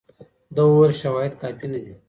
ده وویل شواهد کافي نه دي.